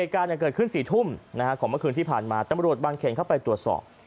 การเกิดขึ้น๔ทุ่มของเมื่อคืนที่ผ่านมาตำรวจบางเขนเข้าไปตรวจสอบ